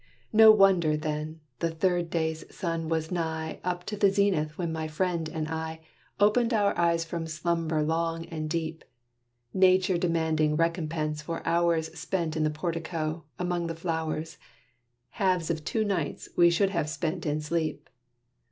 No wonder, then, the third day's sun was nigh Up to the zenith when my friend and I Opened our eyes from slumber long and deep: Nature demanding recompense for hours Spent in the portico, among the flowers, Halves of two nights we should have spent in sleep.